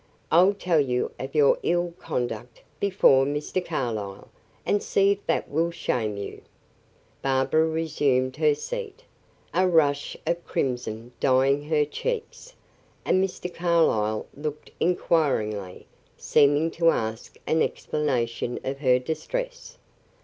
I'll tell you of your ill conduct before Mr. Carlyle, and see if that will shame you." Barbara resumed her seat, a rush of crimson dyeing her cheeks. And Mr. Carlyle looked inquiringly, seeming to ask an explanation of her distress.